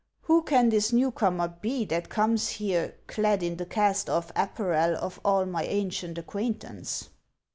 Who can this new comer be that comes here clad in the cast off apparel of all my ancient acquaintance